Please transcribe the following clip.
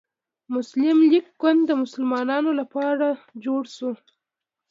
مسلم لیګ ګوند د مسلمانانو لپاره جوړ شو.